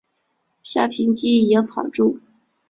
橡皮筋一样绑住